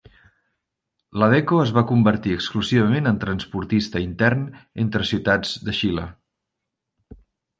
Ladeco es va convertir exclusivament en transportista intern entre ciutats de Xile.